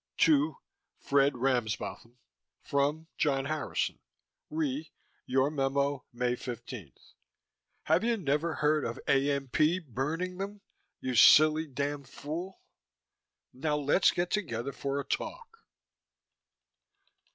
TO: Fred Ramsbotham FROM: John Harrison RE: Your memo May 15 Have you never heard of AMP burning them, you silly damn fool? Now let's get together for a talk.